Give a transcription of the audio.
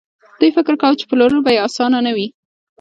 دوی فکر کاوه چې پلورل به يې اسانه نه وي.